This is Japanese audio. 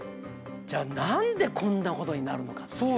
じゃあ何でこんなことになるのかっていう。